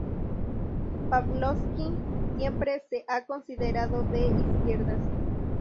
Pavlovsky siempre se ha considerado de izquierdas.